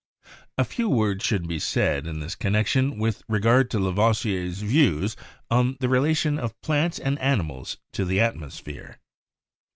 " A few words should be said in this connection with re gard to Lavoisier's views on the relation of plants and animals to the atmosphere.